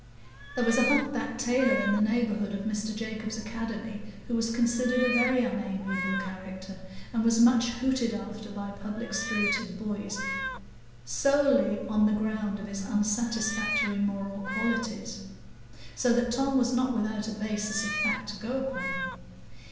There was a humpbacked tailor in the neighbourhood of Mr Jacobs's academy, who was considered a very unamiable character, and was much hooted after by public spirited boys solely on the ground of his unsatisfactory moral qualities; so that Tom was not without a basis of fact to go upon.